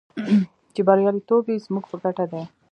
چې بریالیتوب یې زموږ په ګټه دی.